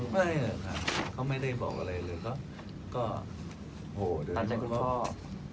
ไม่ค่ะเขาไม่ได้บอกอะไรเลยเขาก็โหเดี๋ยวนี้มันก็